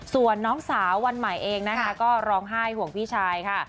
ส่วนน้องสาววันใหม่เองนะคะก็ร้องไห้ห่วงพี่ชายค่ะ